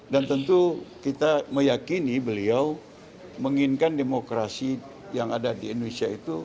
dan tentu kita meyakini beliau menginginkan demokrasi yang ada di indonesia itu